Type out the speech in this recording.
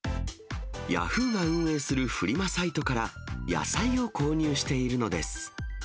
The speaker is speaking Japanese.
ヤフーが運営するフリマサイトから野菜を購入しているのです。